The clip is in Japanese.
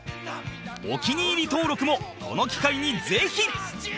お気に入り登録もこの機会にぜひ！